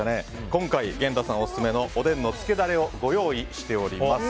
今回、源太さんオススメのおでんのつけダレをご用意しております。